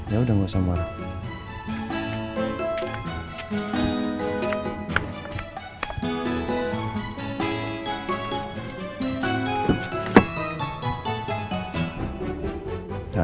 ya udah gak usah marah